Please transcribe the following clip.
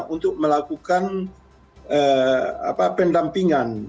untuk melakukan penyelidikan